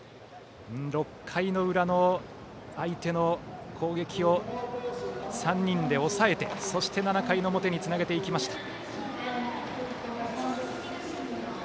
６回の裏の相手の攻撃を３人で抑えてそして７回の表につなげていきました。